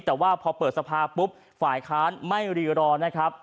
แต่ว่าพอเปิดสภาปุ๊บฝ่ายค้านไม่รีรอนะครับ